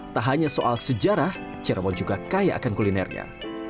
tak hanya soal sejarah cirebon juga kaya akan kulinernya